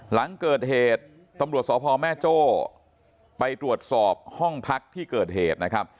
หลังเกิดเหตุตำรวจสพแม่โจ้ไปตรวจสอบห้องพักที่เกิดเหตุนะครับ